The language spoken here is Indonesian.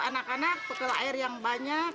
anak anak pekel air yang banyak